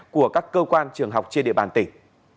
của các cơ quan trường học trên địa bàn tỉnh